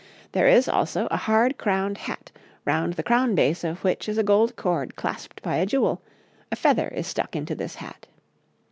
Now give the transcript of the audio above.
There is, also, a hard crowned hat, round the crown base of which is a gold cord clasped by a jewel; a feather is stuck into this hat.